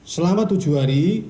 selama tujuh hari